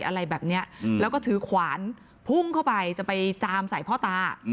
อะไรแบบนี้แล้วก็ถือขวานพุ่งเข้าไปจะไปจามใส่พ่อตา